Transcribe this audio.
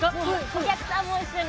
お客さんも一緒に。